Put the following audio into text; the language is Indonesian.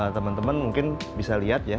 teman teman mungkin bisa lihat ya